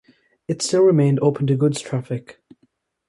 It still remained open to goods traffic.